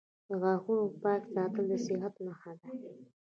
• د غاښونو پاک ساتل د صحت نښه ده.